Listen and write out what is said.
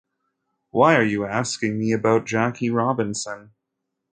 Why are you asking me about Jackie Robinson?